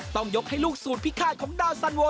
ต้องยกให้ลูกสูตรพิฆาตของดาวสันโว